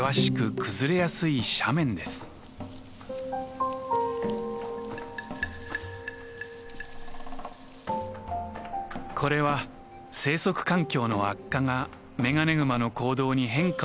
これは生息環境の悪化がメガネグマの行動に変化をもたらした結果でもあります。